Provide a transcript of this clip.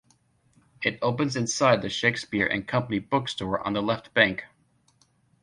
It opens inside the Shakespeare and Company bookstore on the Left Bank.